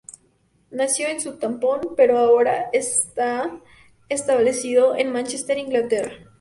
Nació en Southampton, pero ahora está establecido en Mánchester, Inglaterra.